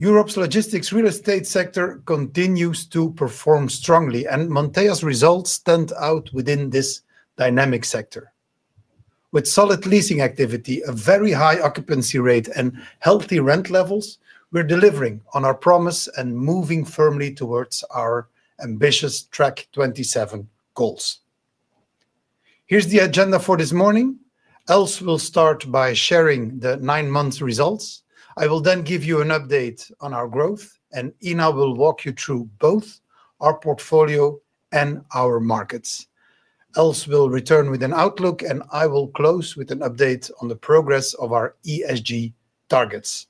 Europe's logistics real estate sector continues to perform strongly, and Montea's results stand out within this dynamic sector. With solid leasing activity, a very high occupancy rate, and healthy rent levels, we're delivering on our promise and moving firmly towards our ambitious Track27 goals. Here's the agenda for this morning. Els will start by sharing the nine-month results. I will then give you an update on our growth, and Inna will walk you through both our portfolio and our markets. Els will return with an outlook, and I will close with an update on the progress of our ESG targets.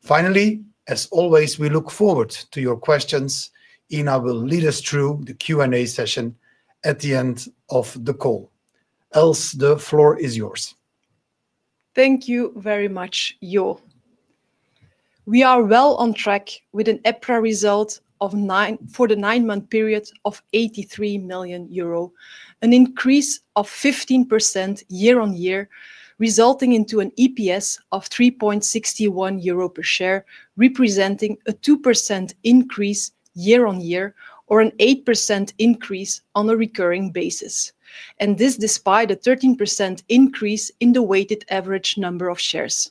Finally, as always, we look forward to your questions. Inna will lead us through the Q&A session at the end of the call. Els, the floor is yours. Thank you very much, Jo. We are well on track with an EPRA result for the nine-month period of 83 million euro, an increase of 15% year-on-year, resulting in an EPS of 3.61 euro per share, representing a 2% increase year-on-year or an 8% increase on a recurring basis, and this despite a 13% increase in the weighted average number of shares.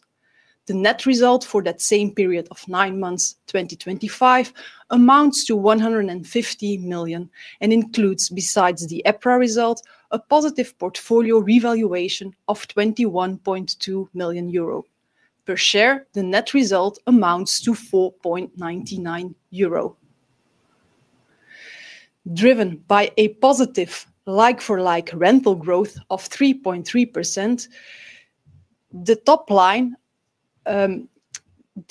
The net result for that same period of nine months, 2025, amounts to 150 million and includes, besides the EPRA result, a positive portfolio revaluation of 21.2 million euro. Per share, the net result amounts to 4.99 euro. Driven by a positive like-for-like rental growth of 3.3%. The top line, driven by a like-for-like rental growth of 3% and a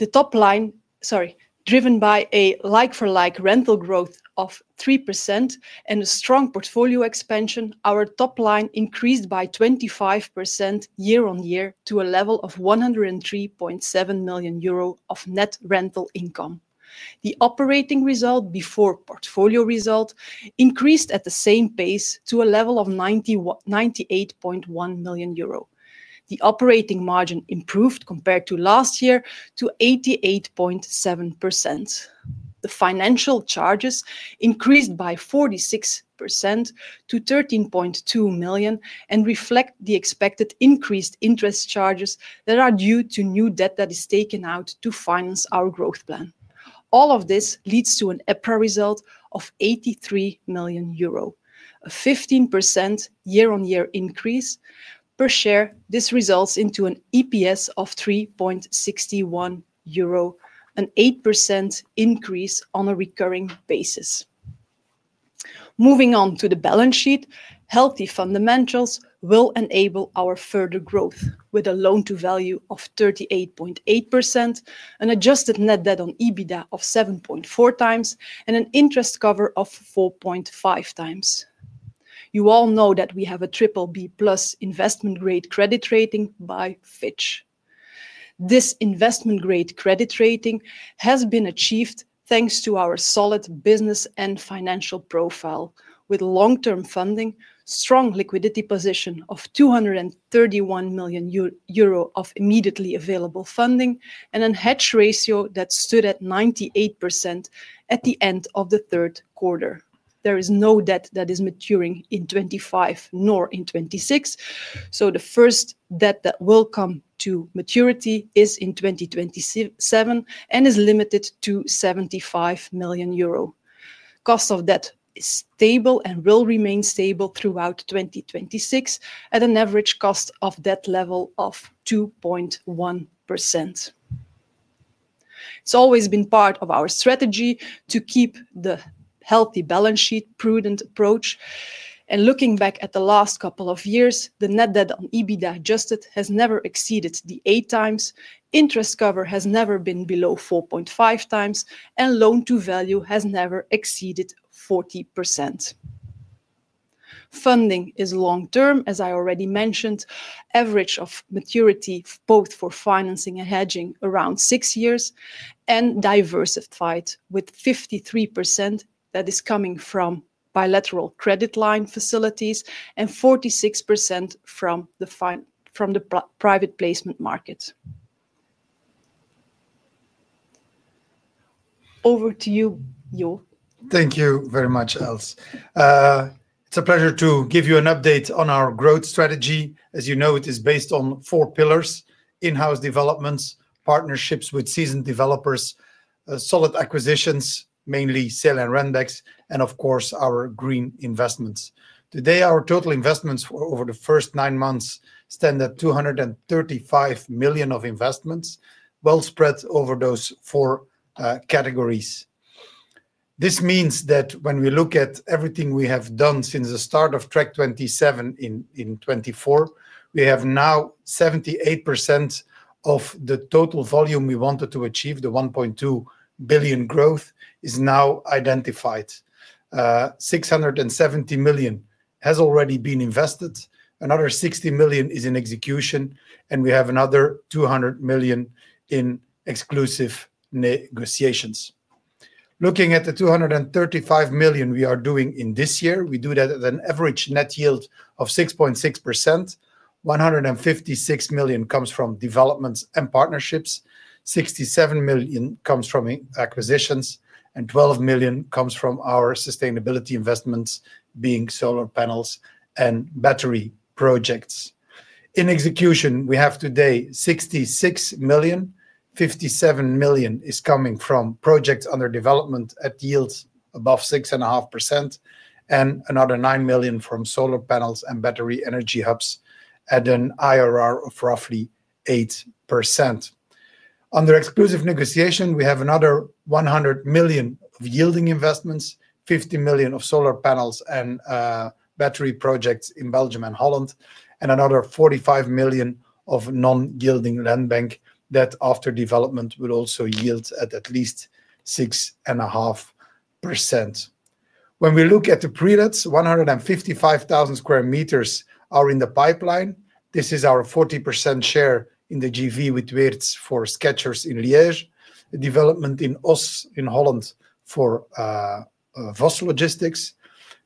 strong portfolio expansion, our top line increased by 25% year-on-year to a level of 103.7 million euro of net rental income. The operating result before portfolio result increased at the same pace to a level of 98.1 million euro. The operating margin improved compared to last year to 88.7%. The financial charges increased by 46% to 13.2 million and reflect the expected increased interest charges that are due to new debt that is taken out to finance our growth plan. All of this leads to an EPRA result of 83 million euro, a 15% year-on-year increase. Per share, this results in an EPS of 3.61 euro. An 8% increase on a recurring basis. Moving on to the balance sheet, healthy fundamentals will enable our further growth with a loan-to-value of 38.8%, an adjusted net debt on EBITDA of 7.4x, and an interest cover of 4.5x. You all know that we have a BBB+ investment-grade credit rating by Fitch. This investment-grade credit rating has been achieved thanks to our solid business and financial profile, with long-term funding, strong liquidity position of 231 million euro of immediately available funding, and a hedge ratio that stood at 98% at the end of the third quarter. There is no debt that is maturing in 2025 nor in 2026, so the first debt that will come to maturity is in 2027 and is limited to 75 million euro. Cost of debt is stable and will remain stable throughout 2026 at an average cost of debt level of 2.1%. It's always been part of our strategy to keep the healthy balance sheet prudent approach. Looking back at the last couple of years, the net debt on EBITDA adjusted has never exceeded the 8x, interest cover has never been below 4.5x, and loan-to-value has never exceeded 40%. Funding is long-term, as I already mentioned, average of maturity both for financing and hedging around six years, and diversified with 53% that is coming from bilateral credit line facilities and 46% from the private placement market. Over to you, Jo. Thank you very much, Els. It's a pleasure to give you an update on our growth strategy. As you know, it is based on four pillars: in-house developments, partnerships with seasoned developers, solid acquisitions, mainly [sale and rent-backs], and of course, our green investments. Today, our total investments over the first nine months stand at 235 million of investments, well spread over those four categories. This means that when we look at everything we have done since the start of Track27 in 2024, we have now 78% of the total volume we wanted to achieve, the 1.2 billion growth, is now identified. 670 million has already been invested. Another 60 million is in execution, and we have another 200 million in exclusive negotiations. Looking at the 235 million we are doing in this year, we do that at an average net yield of 6.6%. 156 million comes from developments and partnerships, 67 million comes from acquisitions, and 12 million comes from our sustainability investments, being solar panels and battery projects. In execution, we have today 66 million. 57 million is coming from projects under development at yields above 6.5%, and another 9 million from solar panels and battery energy hubs at an IRR of roughly 8%. Under exclusive negotiation, we have another 100 million of yielding investments, 50 million of solar panels and battery projects in Belgium and Holland, and another 45 million of non-yielding land bank that, after development, will also yield at at least 6.5%. When we look at the pre-lets, 155,000 sq m are in the pipeline. This is our 40% share in the JV with Weerts for Skechers in Liège, the development in Oss in Holland for Vos Logistics,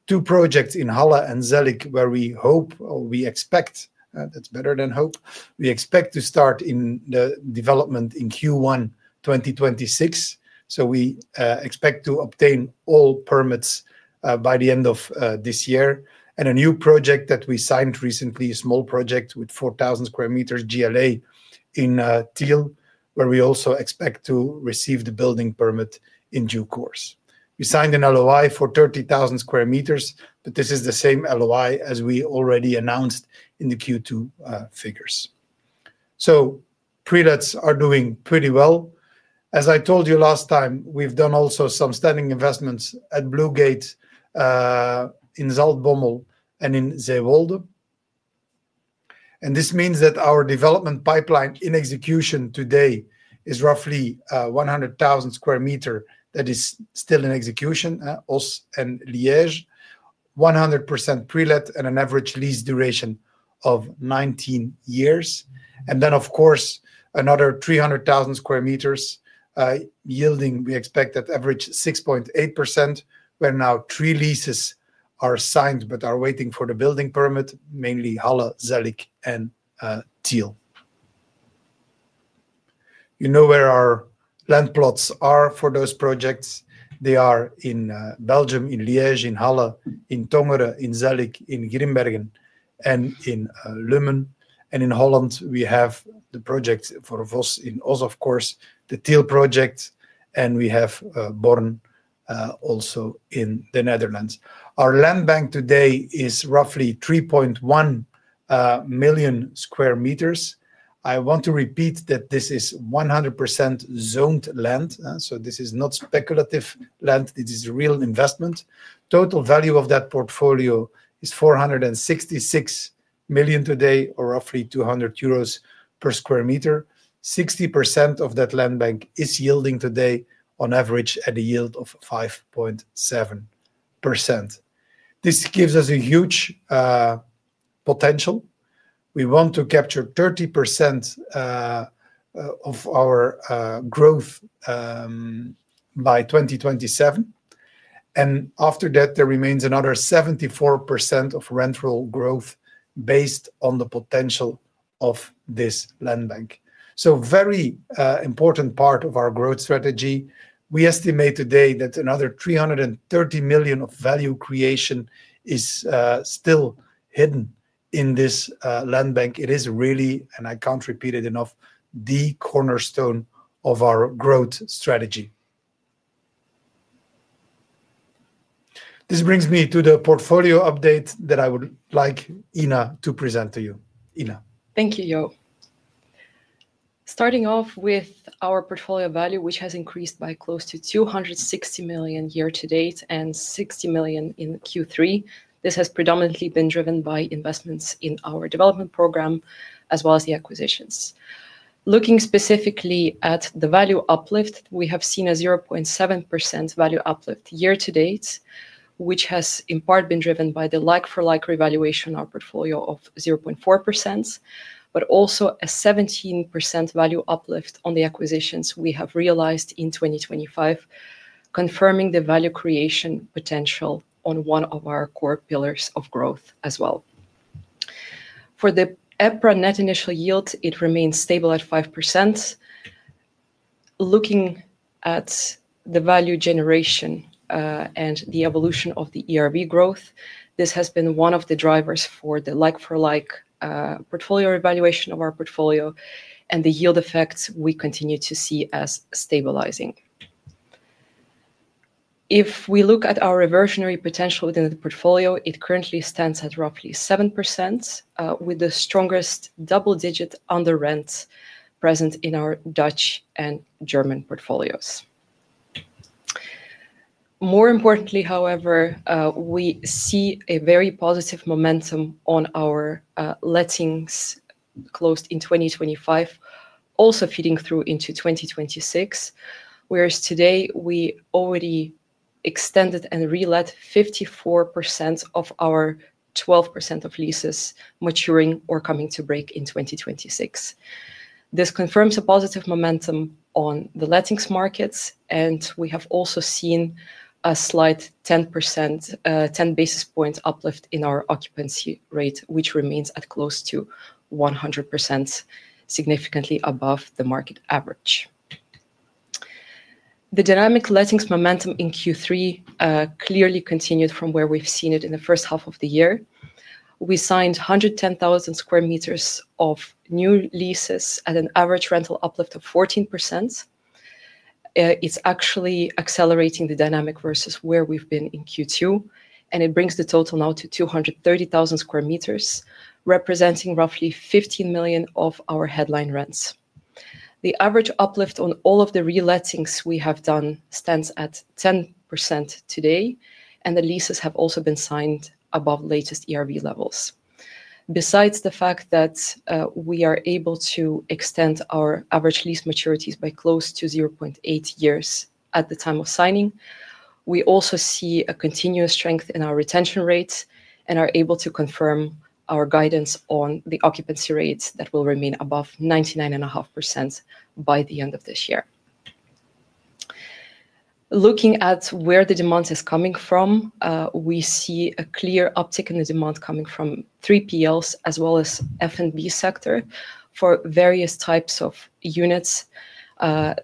two projects in Halle and Zellik where we hope, or we expect, that is better than hope, we expect to start the development in Q1 2026. We expect to obtain all permits by the end of this year. A new project that we signed recently, a small project with 4,000 sq m GLA in Tiel, where we also expect to receive the building permit in due course. We signed an LOI for 30,000 sq m, but this is the same LOI as we already announced in the Q2 figures. Pre-lets are doing pretty well. As I told you last time, we have done also some standing investments at Blue Gate, in Zaltbommel and in Zeewolde. This means that our development pipeline in execution today is roughly 100,000 sq m that is still in execution, Oss and Liège, 100% pre-let and an average lease duration of 19 years. Of course, another 300,000 sq m yielding, we expect at average 6.8%, where now three leases are signed but are waiting for the building permit, mainly Halle, Zellik, and Tiel. You know where our land plots are for those projects. They are in Belgium, in Liège, in Halle, in Tongeren, in Zellik, in Grimbergen, and in Lummen. In the Holland, we have the project for Vos in Oss, of course, the Tiel project, and we have Born, also in the Netherlands. Our land bank today is roughly 3.1 million sq m. I want to repeat that this is 100% zoned land, so this is not speculative land. It is a real investment. Total value of that portfolio is 466 million today, or roughly 200 euros per square meter. 60% of that land bank is yielding today on average at a yield of 5.7%. This gives us a huge potential. We want to capture 30% of our growth by 2027. After that, there remains another 74% of rental growth based on the potential of this land bank. A very important part of our growth strategy. We estimate today that another 330 million of value creation is still hidden in this land bank. It is really, and I can't repeat it enough, the cornerstone of our growth strategy. This brings me to the portfolio update that I would like Inna to present to you. Inna. Thank you, Jo. Starting off with our portfolio value, which has increased by close to 260 million year-to-date and 60 million in Q3. This has predominantly been driven by investments in our development program as well as the acquisitions. Looking specifically at the value uplift, we have seen a 0.7% value uplift year-to-date, which has in part been driven by the like-for-like revaluation of our portfolio of 0.4%, but also a 17% value uplift on the acquisitions we have realized in 2025. Confirming the value creation potential on one of our core pillars of growth as well. For the EPRA net initial yield, it remains stable at 5%. Looking at the value generation and the evolution of the ERB growth, this has been one of the drivers for the like-for-like portfolio evaluation of our portfolio and the yield effects we continue to see as stabilizing. If we look at our reversionary potential within the portfolio, it currently stands at roughly 7%, with the strongest double-digit underwrites present in our Dutch and German portfolios. More importantly, however, we see a very positive momentum on our lettings closed in 2025. Also feeding through into 2026, whereas today we already extended and re-let 54% of our 12% of leases maturing or coming to break in 2026. This confirms a positive momentum on the lettings markets, and we have also seen a slight 10 basis point uplift in our occupancy rate, which remains at close to 100%, significantly above the market average. The dynamic lettings momentum in Q3 clearly continued from where we have seen it in the first half of the year. We signed 110,000 sq m of new leases at an average rental uplift of 14%. It's actually accelerating the dynamic versus where we've been in Q2, and it brings the total now to 230,000 sq m, representing roughly 15 million of our headline rents. The average uplift on all of the re-letings we have done stands at 10% today, and the leases have also been signed above latest ERB levels. Besides the fact that we are able to extend our average lease maturities by close to 0.8 years at the time of signing, we also see a continuous strength in our retention rates and are able to confirm our guidance on the occupancy rates that will remain above 99.5% by the end of this year. Looking at where the demand is coming from. We see a clear uptick in the demand coming from 3PLs as well as F&B sector for various types of units.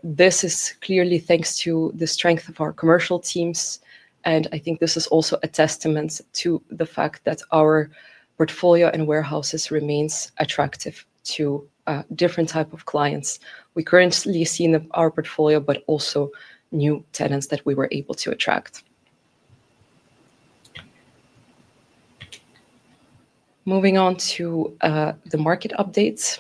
This is clearly thanks to the strength of our commercial teams, and I think this is also a testament to the fact that our portfolio and warehouses remain attractive to different types of clients we currently see in our portfolio, but also new tenants that we were able to attract. Moving on to the market updates.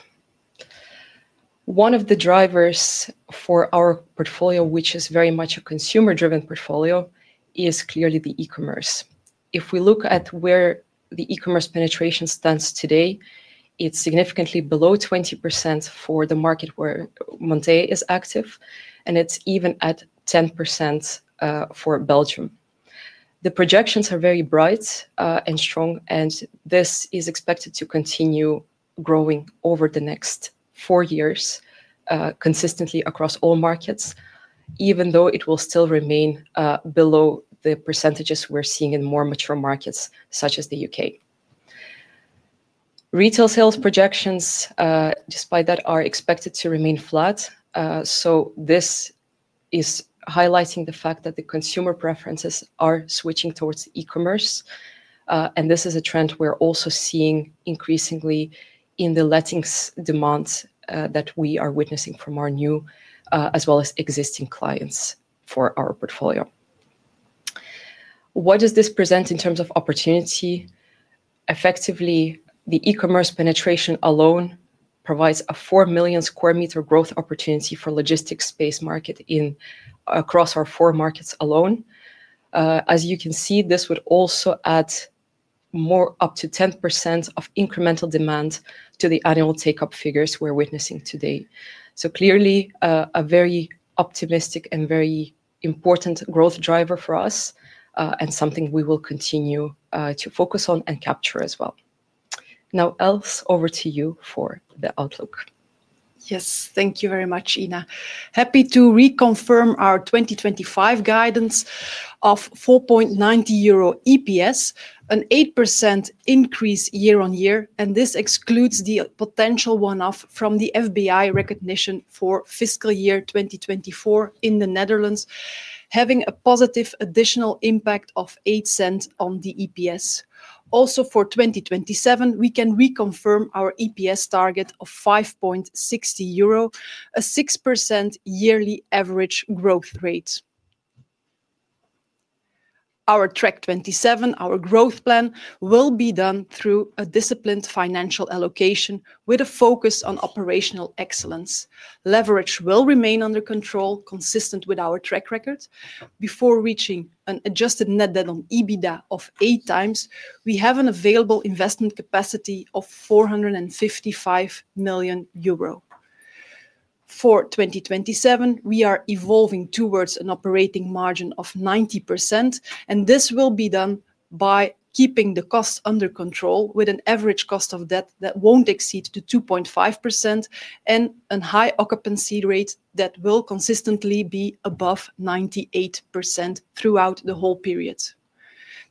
One of the drivers for our portfolio, which is very much a consumer-driven portfolio, is clearly the e-commerce. If we look at where the e-commerce penetration stands today, it is significantly below 20% for the market where Montea is active, and it is even at 10% for Belgium. The projections are very bright and strong, and this is expected to continue growing over the next four years. Consistently across all markets, even though it will still remain below the percentages we are seeing in more mature markets such as the U.K. Retail sales projections, despite that, are expected to remain flat. This is highlighting the fact that the consumer preferences are switching towards e-commerce. This is a trend we are also seeing increasingly in the lettings demands that we are witnessing from our new as well as existing clients for our portfolio. What does this present in terms of opportunity? Effectively, the e-commerce penetration alone provides a 4 million sq m growth opportunity for the logistics space market across our four markets alone. As you can see, this would also add up to 10% of incremental demand to the annual take-up figures we are witnessing today. Clearly, a very optimistic and very important growth driver for us and something we will continue to focus on and capture as well. Now, Els, over to you for the outlook. Yes, thank you very much, Inna. Happy to reconfirm our 2025 guidance of 4.90 euro EPS, an 8% increase year-on-year, and this excludes the potential one-off from the FBI recognition for fiscal year 2024 in the Netherlands, having a positive additional impact of 0.08 on the EPS. Also for 2027, we can reconfirm our EPS target of 5.60 euro, a 6% yearly average growth rate. Our Track27, our growth plan, will be done through a disciplined financial allocation with a focus on operational excellence. Leverage will remain under control, consistent with our track record. Before reaching an adjusted net debt on EBITDA of 8x, we have an available investment capacity of 455 million euro. For 2027, we are evolving towards an operating margin of 90%, and this will be done by keeping the cost under control with an average cost of debt that won't exceed 2.5% and a high occupancy rate that will consistently be above 98% throughout the whole period.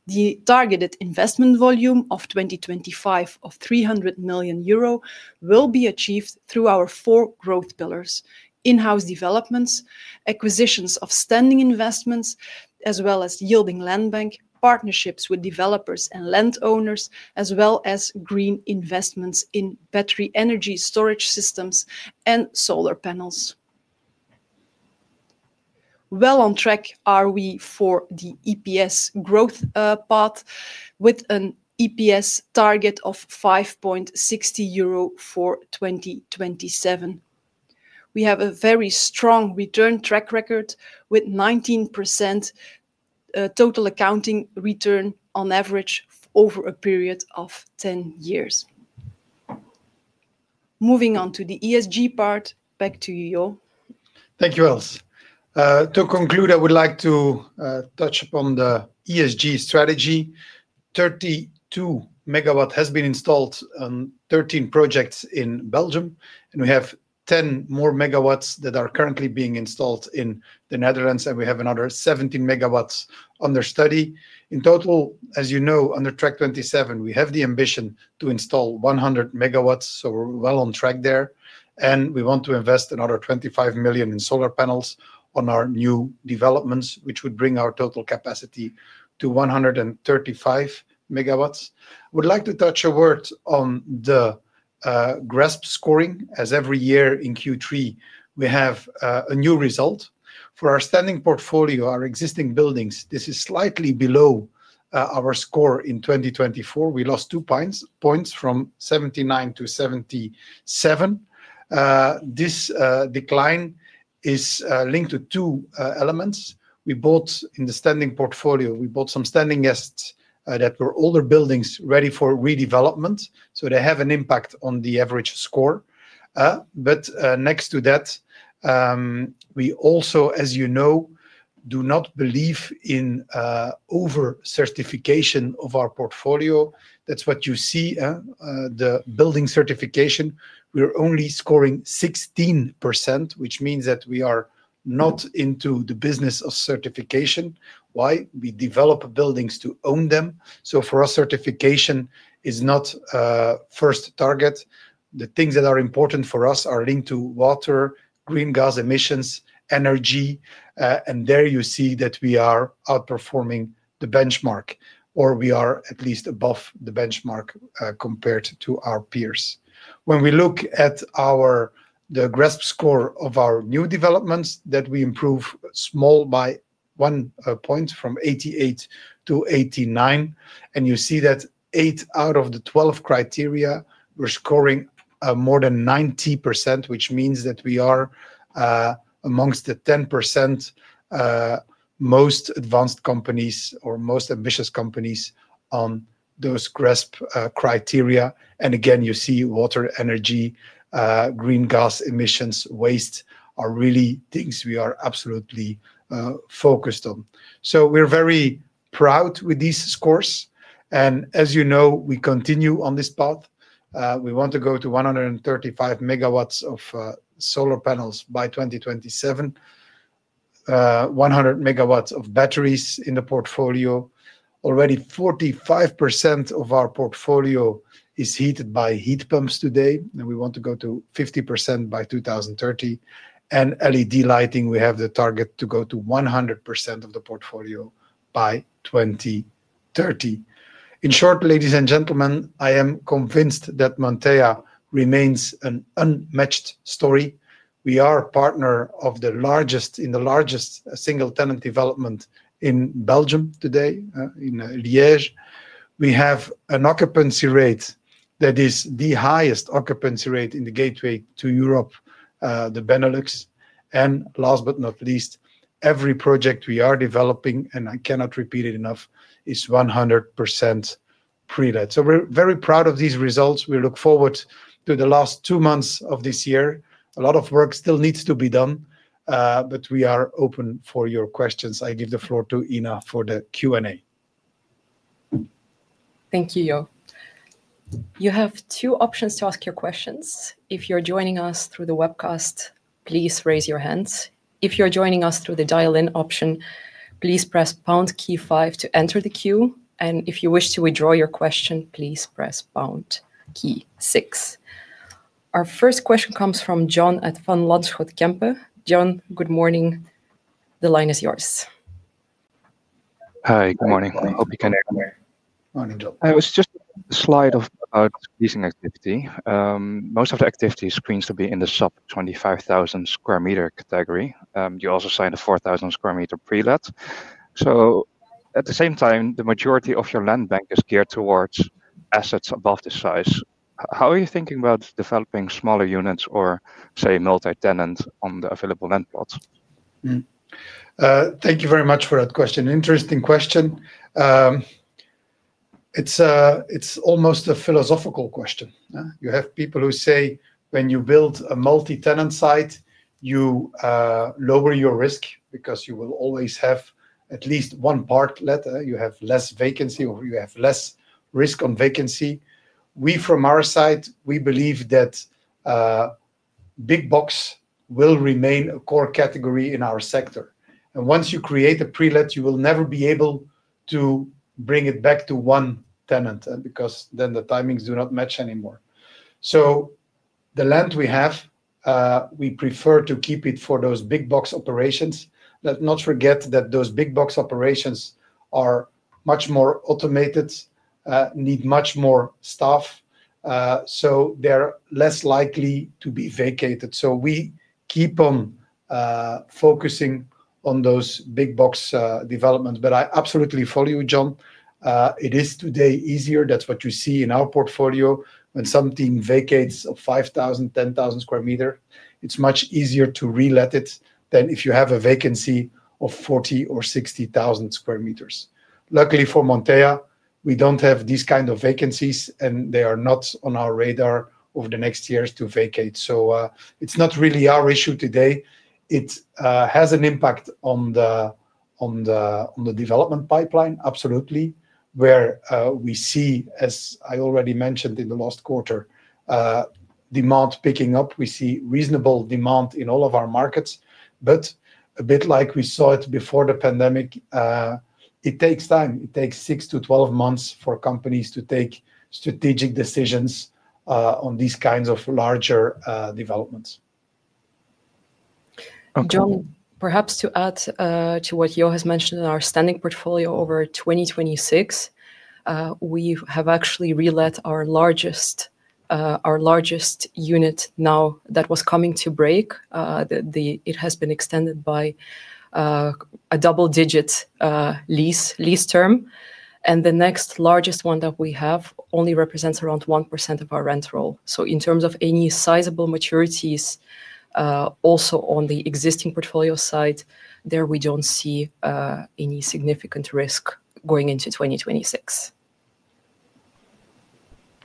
The targeted investment volume of 2025 of 300 million euro will be achieved through our four growth pillars: in-house developments, acquisitions of standing investments, as well as yielding land bank, partnerships with developers and landowners, as well as green investments in battery energy storage systems and solar panels. We are well on track for the EPS growth path with an EPS target of 5.60 euro for 2027. We have a very strong return track record with 19%. Total accounting return on average over a period of 10 years. Moving on to the ESG part, back to you, Jo. Thank you, Els. To conclude, I would like to touch upon the ESG strategy. 32 MW have been installed on 13 projects in Belgium, and we have 10 more megawatts that are currently being installed in the Netherlands, and we have another 17 MW under study. In total, as you know, under Track27, we have the ambition to install 100 MW, so we're well on track there, and we want to invest another 25 million in solar panels on our new developments, which would bring our total capacity to 135 MW. I would like to touch a word on the GRESB scoring, as every year in Q3, we have a new result. For our standing portfolio, our existing buildings, this is slightly below our score in 2024. We lost two points from 79 to 77. This decline is linked to two elements. In the standing portfolio, we bought some standing assets that were older buildings ready for redevelopment, so they have an impact on the average score. Next to that, we also, as you know, do not believe in over-certification of our portfolio. That is what you see. The building certification, we are only scoring 16%, which means that we are not into the business of certification. Why? We develop buildings to own them. For us, certification is not the first target. The things that are important for us are linked to water, green gas emissions, energy, and there you see that we are outperforming the benchmark, or we are at least above the benchmark compared to our peers. When we look at the GRESB score of our new developments, that we improve small by one point from 88 to 89, and you see that 8 out of the 12 criteria, we're scoring more than 90%, which means that we are amongst the 10% most advanced companies or most ambitious companies on those GRESB criteria. You see water, energy, green gas emissions, waste are really things we are absolutely focused on. We are very proud with this score. As you know, we continue on this path. We want to go to 135 MW of solar panels by 2027. 100 MW of batteries in the portfolio. Already 45% of our portfolio is heated by heat pumps today, and we want to go to 50% by 2030. LED lighting, we have the target to go to 100% of the portfolio by 2030. In short, ladies and gentlemen, I am convinced that Montea remains an unmatched story. We are a partner of the largest in the largest single tenant development in Belgium today, in Liège. We have an occupancy rate that is the highest occupancy rate in the Gateway to Europe, the Benelux. Last but not least, every project we are developing, and I cannot repeat it enough, is 100% pre-let. We are very proud of these results. We look forward to the last two months of this year. A lot of work still needs to be done, but we are open for your questions. I give the floor to Inna for the Q&A. Thank you, Jo. You have two options to ask your questions. If you're joining us through the webcast, please raise your hands. If you're joining us through the dial-in option, please press pound key five to enter the queue. If you wish to withdraw your question, please press pound key six. Our first question comes from John at Van Lanschot Kempen. John, good morning. The line is yours. Hi, good morning. Hope you can hear me. I was just a slide of decreasing activity. Most of the activity screens to be in the sub 25,000 sq m category. You also signed a 4,000 sq m pre-let. At the same time, the majority of your land bank is geared towards assets above the size. How are you thinking about developing smaller units or, say, multi-tenant on the available land plots? Thank you very much for that question. Interesting question. It's almost a philosophical question. You have people who say when you build a multi-tenant site, you lower your risk because you will always have at least one part let. You have less vacancy or you have less risk on vacancy. We, from our side, believe that big box will remain a core category in our sector. Once you create a pre-let, you will never be able to bring it back to one tenant because then the timings do not match anymore. The land we have, we prefer to keep it for those big box operations. Let's not forget that those big box operations are much more automated, need much more staff, so they're less likely to be vacated. We keep on focusing on those big box developments. I absolutely follow you, John. It is today easier. That's what you see in our portfolio. When something vacates of 5,000 sq m, 10,000 sq m, it's much easier to re-let it than if you have a vacancy of 40,000 sq m or 60,000 sq m. Luckily for Montea, we don't have these kinds of vacancies, and they are not on our radar over the next years to vacate. It is not really our issue today. It has an impact on the development pipeline, absolutely, where we see, as I already mentioned in the last quarter, demand picking up. We see reasonable demand in all of our markets, but a bit like we saw it before the pandemic. It takes time. It takes six to 12 months for companies to take strategic decisions on these kinds of larger developments. John, perhaps to add to what Jo has mentioned in our standing portfolio over 2026. We have actually re-let our largest unit now that was coming to break. It has been extended by a double-digit lease term. The next largest one that we have only represents around 1% of our rent roll. In terms of any sizable maturities, also on the existing portfolio side, there we do not see any significant risk going into 2026.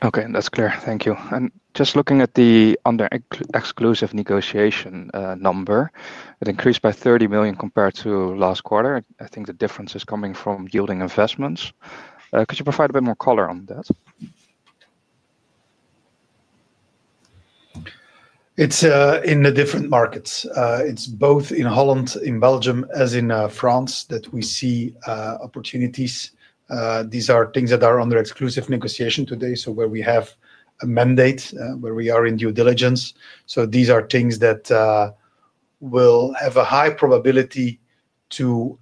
Okay, that's clear. Thank you. Just looking at the under exclusive negotiation number, it increased by 30 million compared to last quarter. I think the difference is coming from yielding investments. Could you provide a bit more color on that? It's in the different markets. It's both in Holland, in Belgium, as in France that we see opportunities. These are things that are under exclusive negotiation today, where we have a mandate, where we are in due diligence. These are things that will have a high probability to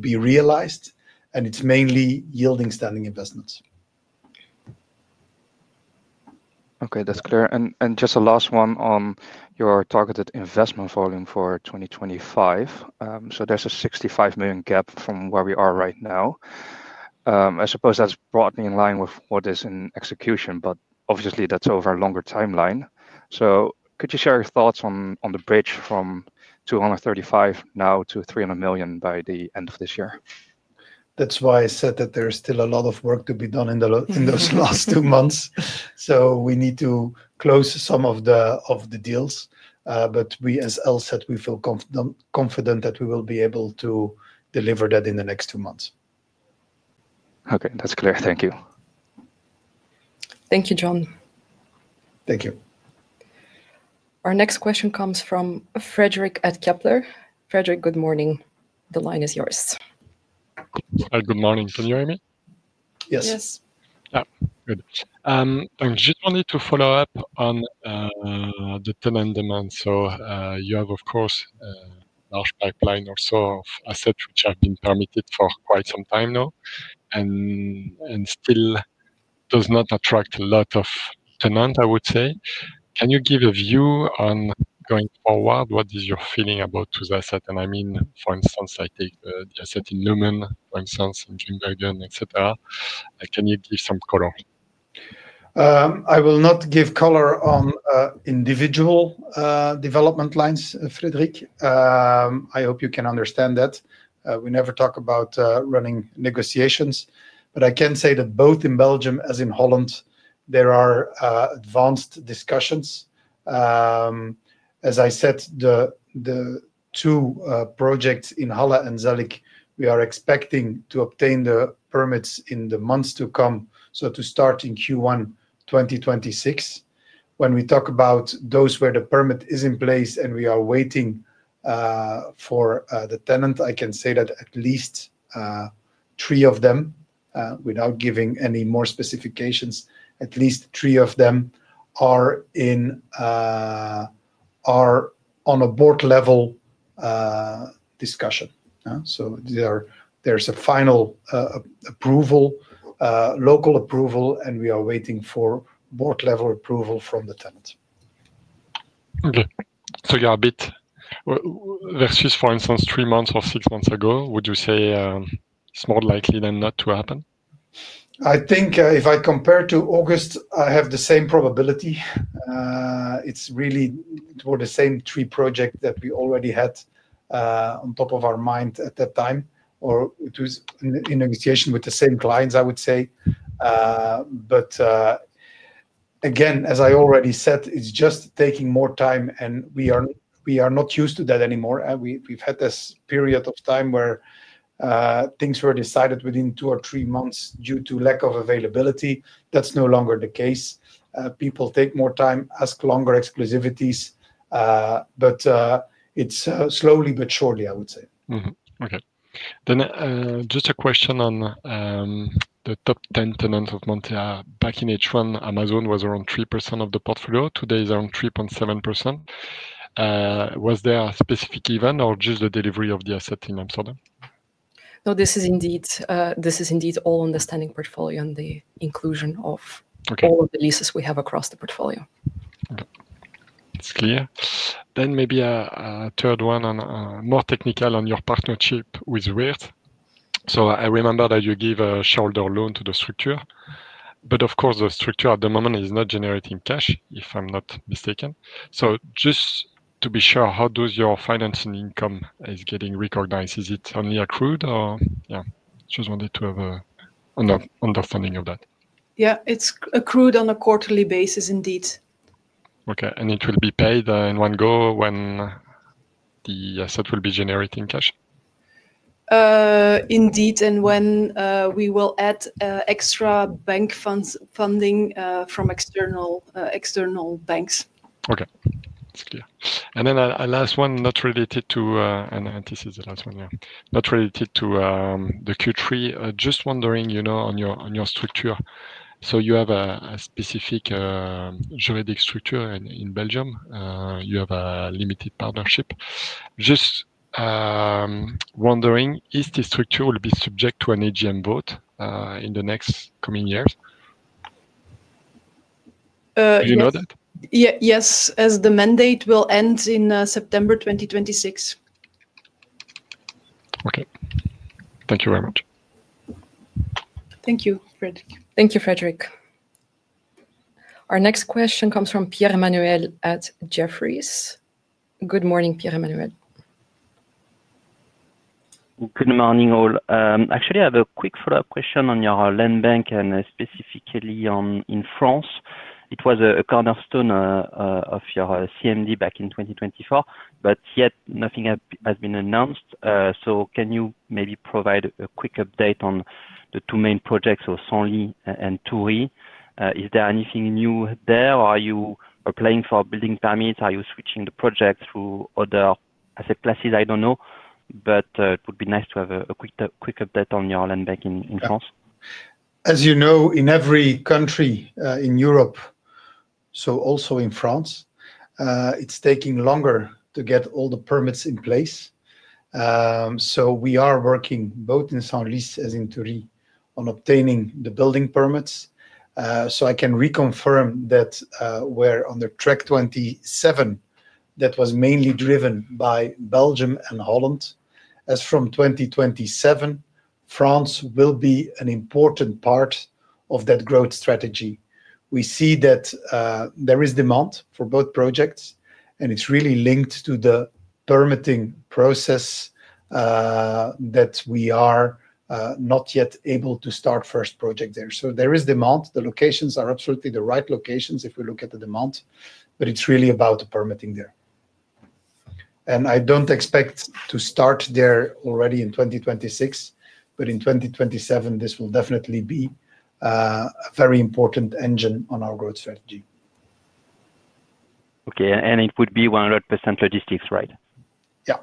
be realized, and it's mainly yielding standing investments. Okay, that's clear. Just a last one on your targeted investment volume for 2025. There's a €65 million gap from where we are right now. I suppose that's broadly in line with what is in execution, but obviously that's over a longer timeline. Could you share your thoughts on the bridge from €235 million now to €300 million by the end of this year? That's why I said that there's still a lot of work to be done in those last two months. We need to close some of the deals, but we, as Els said, we feel confident that we will be able to deliver that in the next two months. Okay, that's clear. Thank you. Thank you, John. Thank you. Our next question comes from Frédéric at Kepler. Frédéric, good morning. The line is yours. Hi, good morning. Can you hear me? Yes. Yes. Yeah, good. I just wanted to follow up on the tenant demand. You have, of course, a large pipeline also of assets which have been permitted for quite some time now and still does not attract a lot of tenants, I would say. Can you give a view on going forward? What is your feeling about those assets? I mean, for instance, I take the asset in Lummen, for instance, in Grimbergen, etc. Can you give some color? I will not give color on individual development lines, Frédéric. I hope you can understand that. We never talk about running negotiations, but I can say that both in Belgium as in Holland, there are advanced discussions. As I said, the two projects in Halle and Zellik, we are expecting to obtain the permits in the months to come, to start in Q1 2026. When we talk about those where the permit is in place and we are waiting for the tenant, I can say that at least three of them, without giving any more specifications, at least three of them are in on a board level discussion. There is a final local approval, and we are waiting for board level approval from the tenant. Okay. So you are a bit. Versus, for instance, three months or six months ago, would you say it is more likely than not to happen? I think if I compare to August, I have the same probability. It's really for the same three projects that we already had on top of our mind at that time, or it was in negotiation with the same clients, I would say. Again, as I already said, it's just taking more time, and we are not used to that anymore. We've had this period of time where things were decided within two or three months due to lack of availability. That's no longer the case. People take more time, ask longer exclusivities. It's slowly but surely, I would say. Okay. Then just a question on the top 10 tenants of Montea. Back in H1, Amazon was around 3% of the portfolio. Today is around 3.7%. Was there a specific event or just the delivery of the asset in Amsterdam? No, this is indeed all on the standing portfolio and the inclusion of all of the leases we have across the portfolio. It's clear. Then maybe a third one, more technical, on your partnership with Weerts. I remember that you gave a shoulder loan to the structure. Of course, the structure at the moment is not generating cash, if I'm not mistaken. Just to be sure, how is your financing income getting recognized? Is it only accrued, or, yeah, just wanted to have an understanding of that. Yeah, it's accrued on a quarterly basis indeed. Okay. It will be paid in one go when the asset will be generating cash? Indeed, and when we will add extra bank funding from external banks. Okay. It's clear. And then a last one, not related to, and this is the last one, yeah, not related to the Q3. Just wondering, you know, on your structure. So you have a specific juridic structure in Belgium. You have a limited partnership. Just wondering, is the structure will be subject to an AGM vote in the next coming years? Do you know that? Yes, as the mandate will end in September 2026. Okay. Thank you very much. Thank you, Frédéric. Our next question comes from Pierre-Emmanuel at Jefferies. Good morning, Pierre-Emmanuel. Good morning all. Actually, I have a quick follow-up question on your land bank and specifically in France. It was a cornerstone of your CMD back in 2024, but yet nothing has been announced. Can you maybe provide a quick update on the two main projects, so [Sollières] and [Toury]? Is there anything new there? Are you applying for building permits? Are you switching the project through other asset classes? I do not know, but it would be nice to have a quick update on your land bank in France. As you know, in every country in Europe, so also in France, it's taking longer to get all the permits in place. We are working both in [Sollières] and in [Toury] on obtaining the building permits. I can reconfirm that. We are under Track27 that was mainly driven by Belgium and Holland. As from 2027, France will be an important part of that growth strategy. We see that there is demand for both projects, and it's really linked to the permitting process that we are not yet able to start first project there. There is demand. The locations are absolutely the right locations if we look at the demand, but it's really about the permitting there. I don't expect to start there already in 2026, but in 2027, this will definitely be a very important engine on our growth strategy. Okay. It would be 100% logistics, right? Yeah.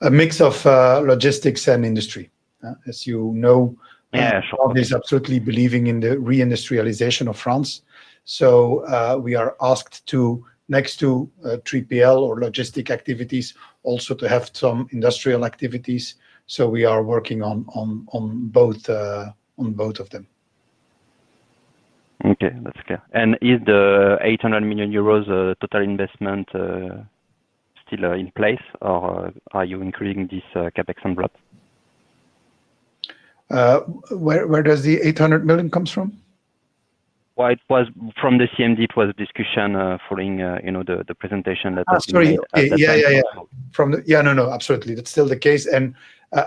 A mix of logistics and industry, as you know. Yeah, sure. We are obviously believing in the re-industrialization of France. We are asked to, next to 3PL or logistic activities, also to have some industrial activities. We are working on both of them. Okay, that's clear. Is the 800 million euros total investment still in place, or are you increasing this CapEx envelope? Where does the 800 million comes from? From the CMD, it was a discussion following the presentation that was made. Oh, sorry. Yeah, yeah, yeah. No, absolutely. That's still the case.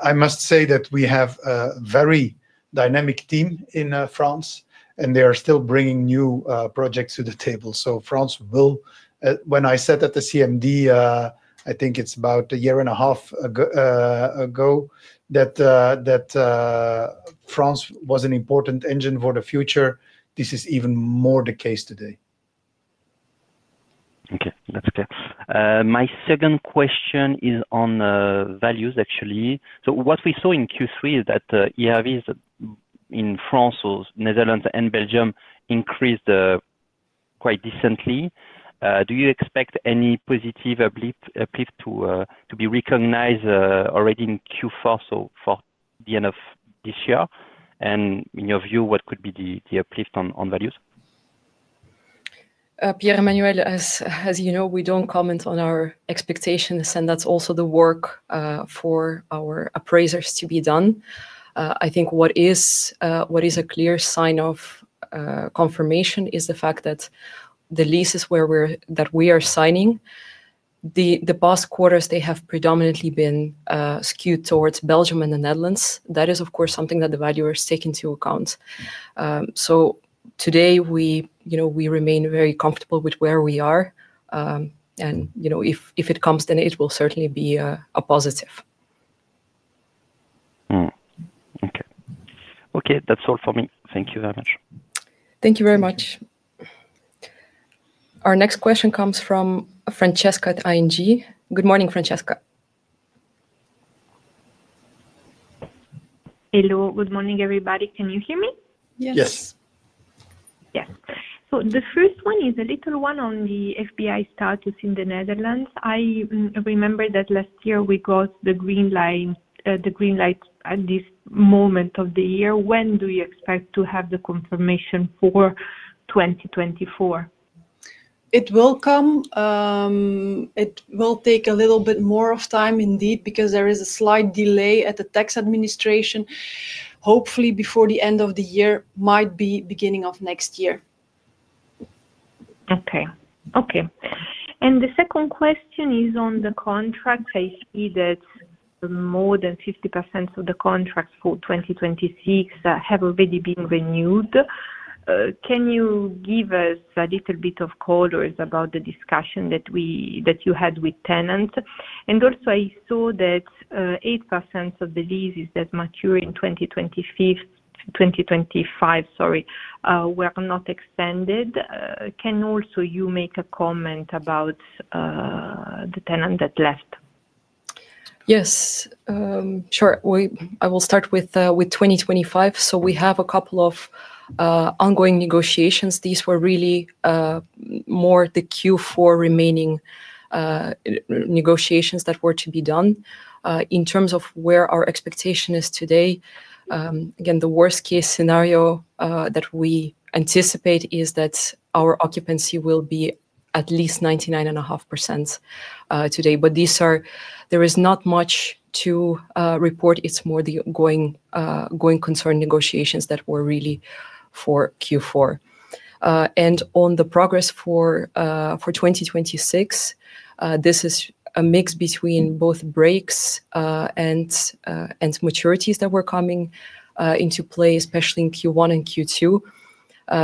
I must say that we have a very dynamic team in France, and they are still bringing new projects to the table. France will, when I said at the CMD, I think it's about a year and a half ago that France was an important engine for the future, this is even more the case today. Okay, that's clear. My second question is on values, actually. What we saw in Q3 is that ERVs in France, Netherlands, and Belgium increased. Quite decently. Do you expect any positive uplift to be recognized already in Q4, for the end of this year? In your view, what could be the uplift on values? Pierre-Emmanuel, as you know, we do not comment on our expectations, and that is also the work for our appraisers to be done. I think what is a clear sign of confirmation is the fact that the leases that we are signing the past quarters, they have predominantly been skewed towards Belgium and the Netherlands. That is, of course, something that the valuer has taken into account. Today, we remain very comfortable with where we are. If it comes, then it will certainly be a positive. Okay. Okay, that's all for me. Thank you very much. Thank you very much. Our next question comes from Francesca at ING. Good morning, Francesca. Hello, good morning, everybody. Can you hear me? Yes. Yes. Yes. The first one is a little one on the FBI status in the Netherlands. I remember that last year we got the green light. At this moment of the year, when do you expect to have the confirmation for 2024? It will come. It will take a little bit more of time indeed because there is a slight delay at the tax administration, hopefully before the end of the year, might be beginning of next year. Okay. Okay. The second question is on the contracts. I see that more than 50% of the contracts for 2026 have already been renewed. Can you give us a little bit of colors about the discussion that you had with tenants? Also, I saw that 8% of the leases that mature in 2025, sorry, were not extended. Can you also make a comment about the tenant that left? Yes. Sure. I will start with 2025. We have a couple of ongoing negotiations. These were really more the Q4 remaining negotiations that were to be done. In terms of where our expectation is today, again, the worst-case scenario that we anticipate is that our occupancy will be at least 99.5% today. There is not much to report. It is more the ongoing concern negotiations that were really for Q4. On the progress for 2026, this is a mix between both breaks and maturities that were coming into play, especially in Q1 and Q2.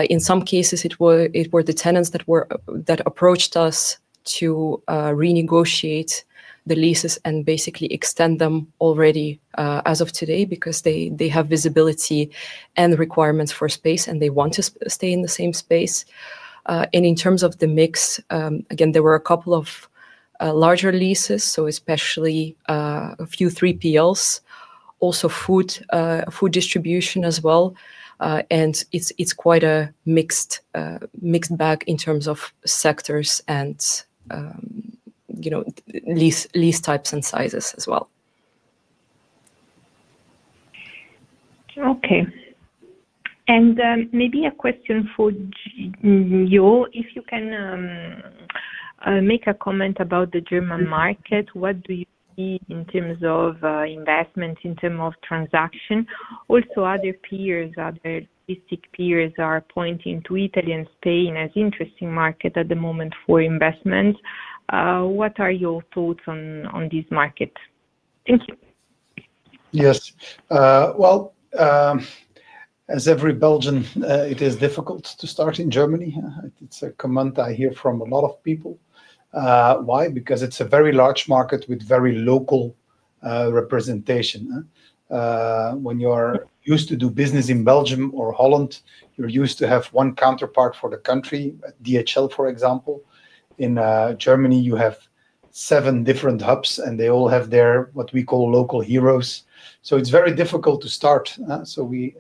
In some cases, it were the tenants that approached us to renegotiate the leases and basically extend them already as of today because they have visibility and requirements for space and they want to stay in the same space. In terms of the mix, again, there were a couple of larger leases, so especially a few 3PLs, also food. Distribution as well. It's quite a mixed bag in terms of sectors and lease types and sizes as well. Okay. Maybe a question for you. If you can make a comment about the German market, what do you see in terms of investment, in terms of transaction? Also, other peers, other logistic peers are pointing to Italy and Spain as interesting markets at the moment for investment. What are your thoughts on this market? Thank you. Yes. As every Belgian, it is difficult to start in Germany. It's a comment I hear from a lot of people. Why? Because it's a very large market with very local representation. When you are used to do business in Belgium or Holland, you're used to have one counterpart for the country, DHL, for example. In Germany, you have seven different hubs, and they all have their, what we call, local heroes. It is very difficult to start. We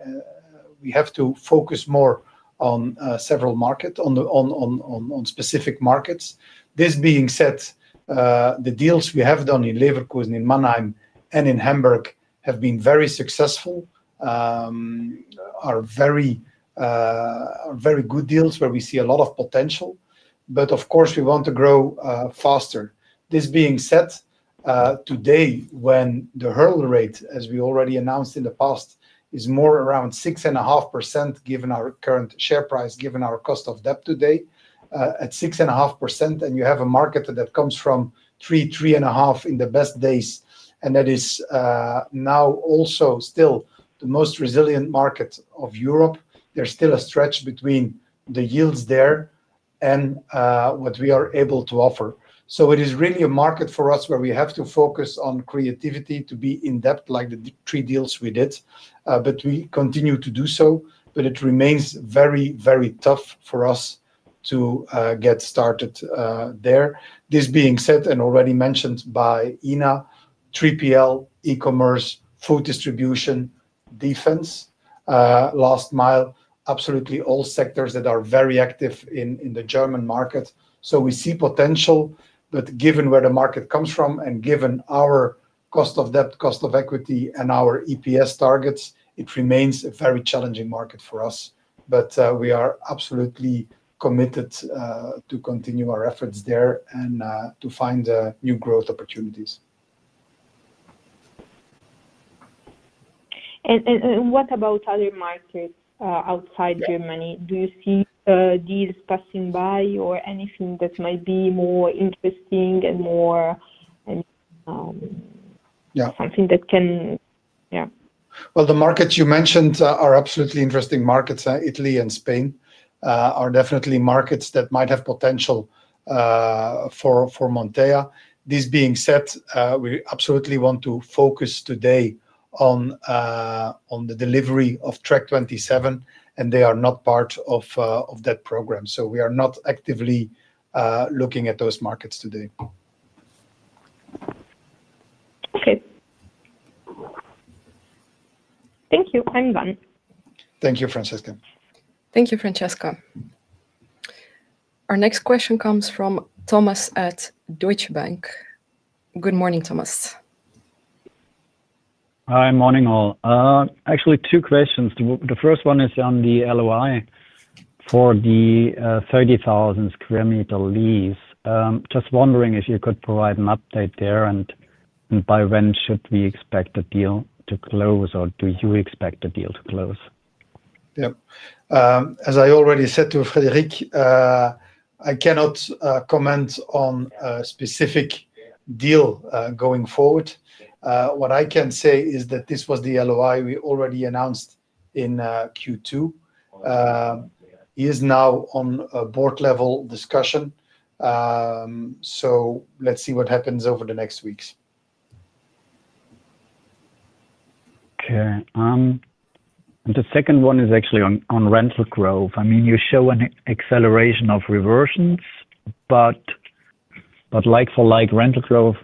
have to focus more on several markets, on specific markets. This being said, the deals we have done in Leverkusen, in Mannheim, and in Hamburg have been very successful. They are very good deals where we see a lot of potential. Of course, we want to grow faster. This being said, today, when the hurdle rate, as we already announced in the past, is more around 6.5%, given our current share price, given our cost of debt today, at 6.5%, and you have a market that comes from 3%-3.5% in the best days, and that is now also still the most resilient market of Europe, there's still a stretch between the yields there and what we are able to offer. It is really a market for us where we have to focus on creativity to be in debt like the three deals we did. We continue to do so. It remains very, very tough for us to get started there. This being said, and already mentioned by Inna, 3PL, e-commerce, food distribution, defense, last mile, absolutely all sectors that are very active in the German market. We see potential, but given where the market comes from and given our cost of debt, cost of equity, and our EPS targets, it remains a very challenging market for us. We are absolutely committed to continue our efforts there and to find new growth opportunities. What about other markets outside Germany? Do you see deals passing by or anything that might be more interesting and more, something that can, yeah? The markets you mentioned are absolutely interesting markets. Italy and Spain are definitely markets that might have potential for Montea. This being said, we absolutely want to focus today on the delivery of Track27, and they are not part of that program. We are not actively looking at those markets today. Okay. Thank you. I'm done. Thank you, Francesca. Thank you, Francesca. Our next question comes from Thomas at Deutsche Bank. Good morning, Thomas. Hi, morning all. Actually, two questions. The first one is on the LOI. For the 30,000 sq m lease. Just wondering if you could provide an update there and by when should we expect the deal to close or do you expect the deal to close? Yeah. As I already said to Frédéric, I cannot comment on a specific deal going forward. What I can say is that this was the LOI we already announced in Q2. It is now on board-level discussion. Let's see what happens over the next weeks. Okay. The second one is actually on rental growth. I mean, you show an acceleration of reversions, but like-for-like rental growth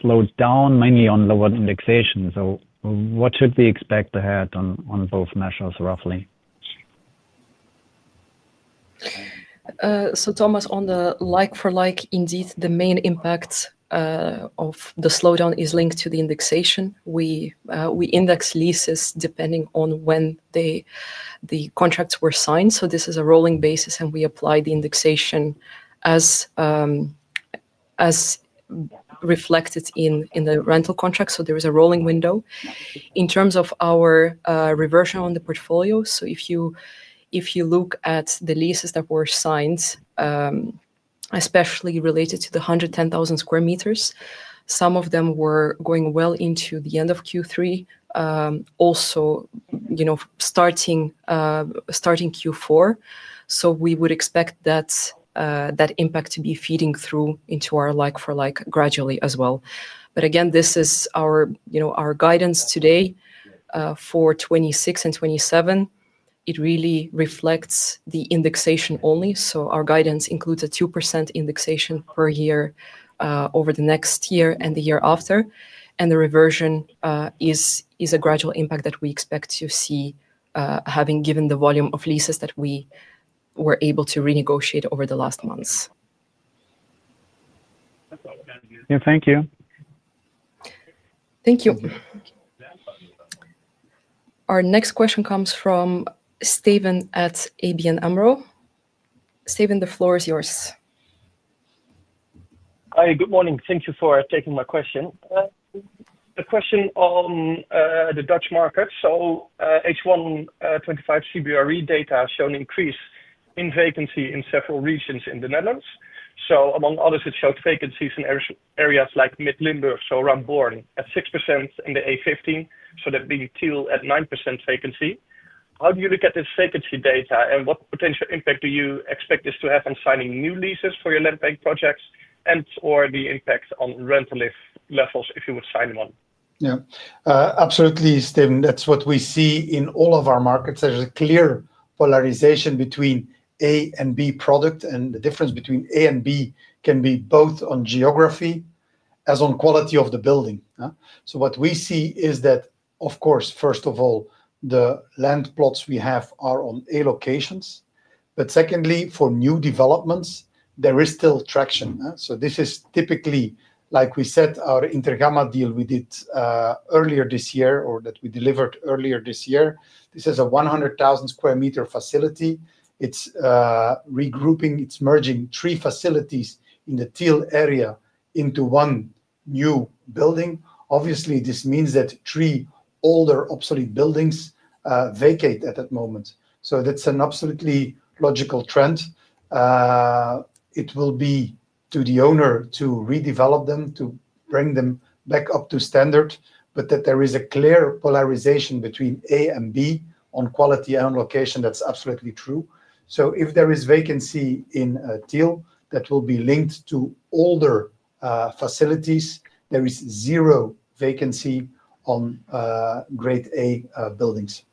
slowed down mainly on lower indexation. What should we expect ahead on both measures, roughly? Thomas, on the like-for-like, indeed, the main impact of the slowdown is linked to the indexation. We index leases depending on when the contracts were signed. This is a rolling basis, and we apply the indexation as reflected in the rental contract. There is a rolling window. In terms of our reversion on the portfolio, if you look at the leases that were signed, especially related to the 110,000 sq m, some of them were going well into the end of Q3, also starting Q4. We would expect that impact to be feeding through into our like-for-like gradually as well. Again, this is our guidance today for 2026 and 2027. It really reflects the indexation only. Our guidance includes a 2% indexation per year over the next year and the year after. The reversion is a gradual impact that we expect to see having given the volume of leases that we were able to renegotiate over the last months. Yeah, thank you. Thank you. Our next question comes from Steven at ABN AMRO. Steven, the floor is yours. Hi, good morning. Thank you for taking my question. The question on the Dutch market. H1 2025 CBRE data show an increase in vacancy in several regions in the Netherlands. Among others, it showed vacancies in areas like Mid-Limburg, or in Born, at 6% in the A15, that being still at 9% vacancy. How do you look at this vacancy data and what potential impact do you expect this to have on signing new leases for your land bank projects and/or the impact on rental levels if you would sign one? Yeah. Absolutely, Steven. That is what we see in all of our markets. There is a clear polarization between A and B product, and the difference between A and B can be both on geography as on quality of the building. What we see is that, of course, first of all, the land plots we have are on A locations. Secondly, for new developments, there is still traction. This is typically, like we said, our Intergamma deal we did earlier this year or that we delivered earlier this year. This is a 100,000 sq m facility. It is regrouping. It is merging three facilities in the Tiel area into one new building. Obviously, this means that three older obsolete buildings vacate at that moment. That is an absolutely logical trend. It will be to the owner to redevelop them, to bring them back up to standard, but there is a clear polarization between A and B on quality and location. That is absolutely true. If there is vacancy in Tiel, that will be linked to older facilities. There is zero vacancy on grade A buildings.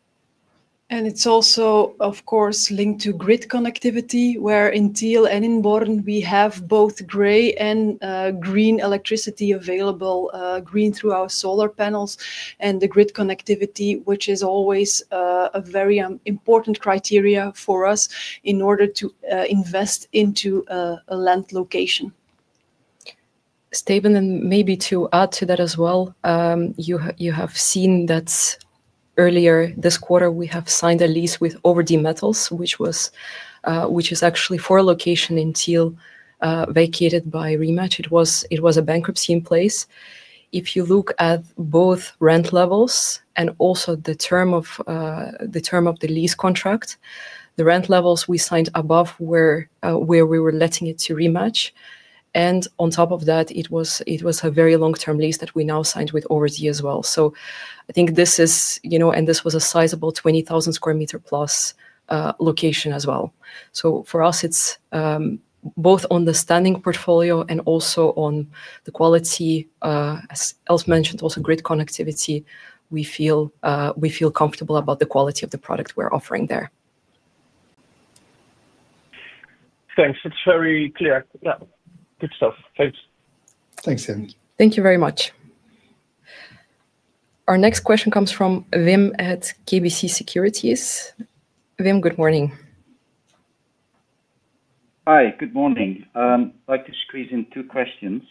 It is also, of course, linked to grid connectivity, where in Tiel and in Born, we have both gray and green electricity available, green through our solar panels and the grid connectivity, which is always a very important criteria for us in order to invest into a land location. Steven, and maybe to add to that as well, you have seen that. Earlier this quarter, we have signed a lease with Overdie Metals, which is actually four locations in Tiel vacated by Re-Match. It was a bankruptcy in place. If you look at both rent levels and also the term of the lease contract, the rent levels we signed above where we were letting it to Re-Match. And on top of that, it was a very long-term lease that we now signed with Overdie as well. I think this is, and this was a sizable 20,000+ sq m location as well. For us, it is both on the standing portfolio and also on the quality. As Els mentioned, also grid connectivity, we feel comfortable about the quality of the product we are offering there. Thanks. It's very clear. Yeah. Good stuff. Thanks. Thanks, Steven. Thank you very much. Our next question comes from Wim at KBC Securities. Wim, good morning. Hi, good morning. I'd like to squeeze in two questions.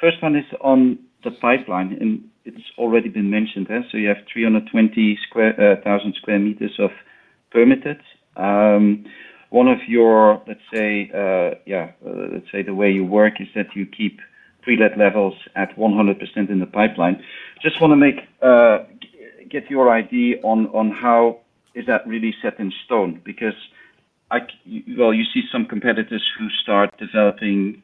First one is on the pipeline. It's already been mentioned there. You have 320,000 sq m of permitted. One of your, let's say, yeah, let's say the way you work is that you keep pre-let levels at 100% in the pipeline. Just want to get your idea on how is that really set in stone? Because you see some competitors who start developing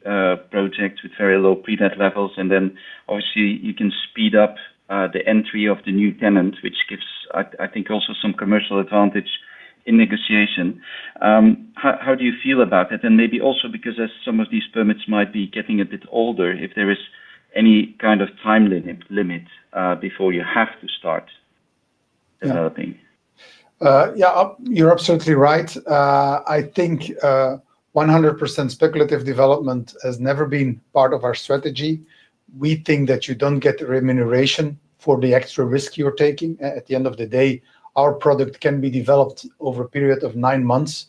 projects with very low pre-let levels, and then obviously you can speed up the entry of the new tenant, which gives, I think, also some commercial advantage in negotiation. How do you feel about that? Maybe also because some of these permits might be getting a bit older, if there is any kind of time limit before you have to start developing. Yeah, you're absolutely right. I think 100% speculative development has never been part of our strategy. We think that you don't get remuneration for the extra risk you're taking. At the end of the day, our product can be developed over a period of nine months.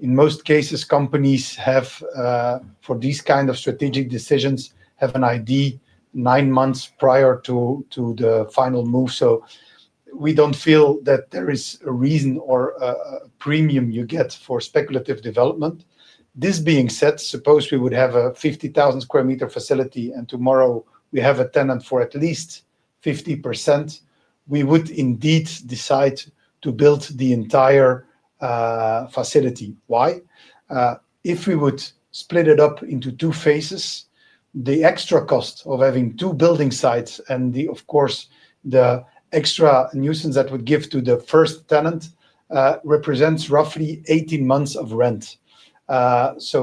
In most cases, companies have, for these kinds of strategic decisions, have an idea nine months prior to the final move. We don't feel that there is a reason or a premium you get for speculative development. This being said, suppose we would have a 50,000 sq m facility and tomorrow we have a tenant for at least 50%, we would indeed decide to build the entire facility. Why? If we would split it up into two phases, the extra cost of having two building sites and, of course, the extra nuisance that would give to the first tenant. Represents roughly 18 months of rent.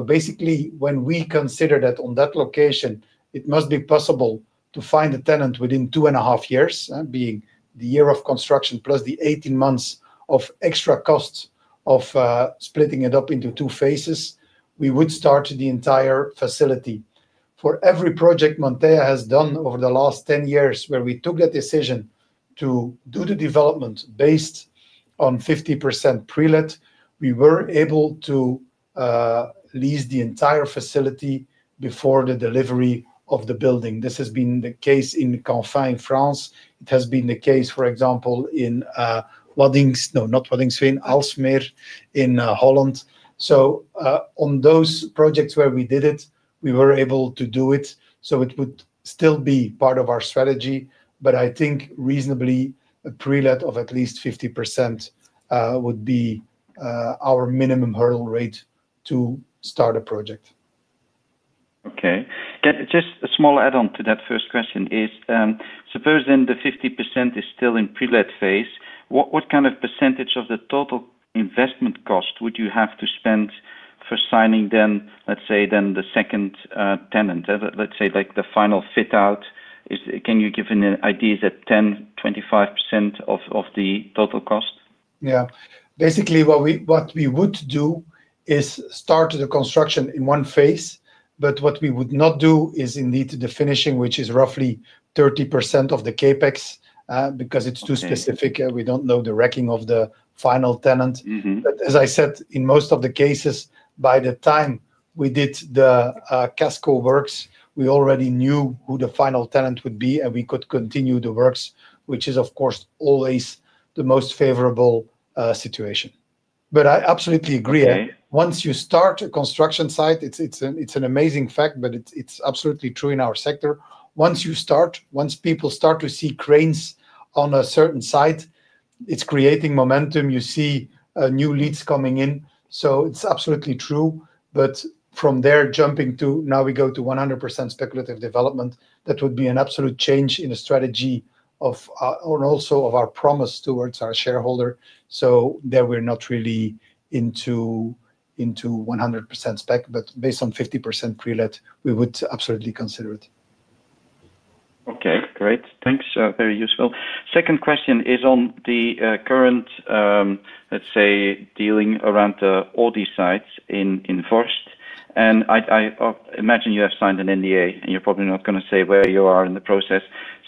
Basically, when we consider that on that location, it must be possible to find a tenant within two and a half years, being the year of construction plus the 18 months of extra costs of splitting it up into two phases, we would start the entire facility. For every project Montea has done over the last 10 years where we took that decision to do the development based on 50% pre-let, we were able to lease the entire facility before the delivery of the building. This has been the case in Campagne, France. It has been the case, for example, in Aalsmeer in Holland. On those projects where we did it, we were able to do it. It would still be part of our strategy, but I think reasonably a pre-let of at least 50% would be our minimum hurdle rate to start a project. Okay. Just a small add-on to that first question is, suppose then the 50% is still in pre-let phase, what kind of percentage of the total investment cost would you have to spend for signing then, let's say, then the second tenant? Let's say the final fit-out, can you give an idea? Is it 10%, 25% of the total cost? Yeah. Basically, what we would do is start the construction in one phase, but what we would not do is indeed the finishing, which is roughly 30% of the CapEx, because it's too specific. We don't know the recking of the final tenant. As I said, in most of the cases, by the time we did the [CASCO] works, we already knew who the final tenant would be, and we could continue the works, which is, of course, always the most favorable situation. I absolutely agree. Once you start a construction site, it's an amazing fact, but it's absolutely true in our sector. Once you start, once people start to see cranes on a certain site, it's creating momentum. You see new leads coming in. It's absolutely true. From there, jumping to now we go to 100% speculative development, that would be an absolute change in the strategy of also, of our promise towards our shareholder. There, we are not really into 100% spec, but based on 50% pre-let, we would absolutely consider it. Okay, great. Thanks. Very useful. Second question is on the current, let's say, dealing around the Audi sites in Vorst. I imagine you have signed an NDA, and you're probably not going to say where you are in the process.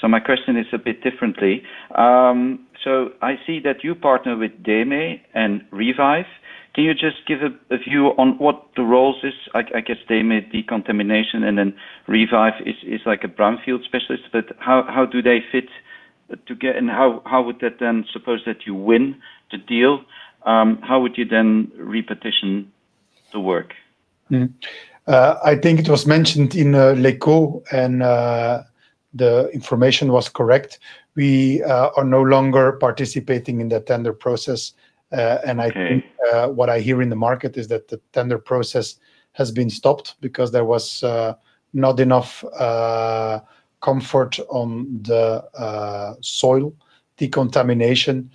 My question is a bit differently. I see that you partner with DEME and Revive. Can you just give a view on what the roles is? I guess DEME decontamination and then Revive is like a brownfield specialist. How do they fit together? How would that then, suppose that you win the deal, how would you then repetition the work? I think it was mentioned in [LECO], and the information was correct. We are no longer participating in the tender process. I think what I hear in the market is that the tender process has been stopped because there was not enough comfort on the soil decontamination.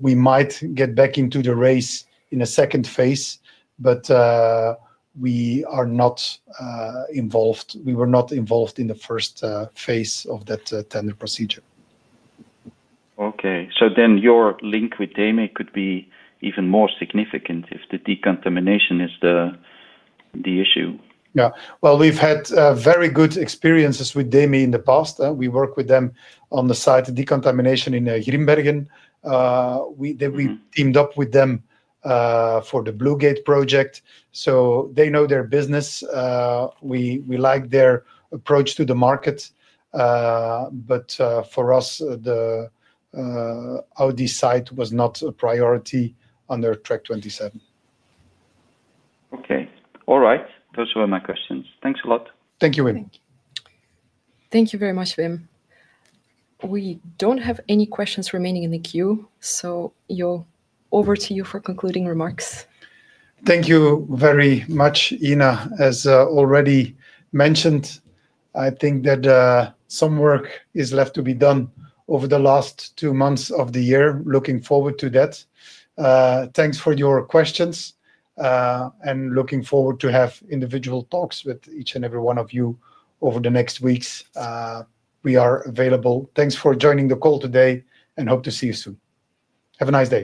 We might get back into the race in a second phase, but we are not involved. We were not involved in the first phase of that tender procedure. Okay. So then your link with DEME could be even more significant if the decontamination is the issue. Yeah. We have had very good experiences with DEME in the past. We work with them on the site decontamination in Grimbergen. We teamed up with them for the Blue Gate project. They know their business. We like their approach to the market. For us, the Audi site was not a priority under Track27. Okay. All right. Those were my questions. Thanks a lot. Thank you, Wim. Thank you very much, Wim. We do not have any questions remaining in the queue, so over to you for concluding remarks. Thank you very much, Inna. As already mentioned, I think that some work is left to be done over the last two months of the year. Looking forward to that. Thanks for your questions. Looking forward to have individual talks with each and every one of you over the next weeks. We are available. Thanks for joining the call today, and hope to see you soon. Have a nice day.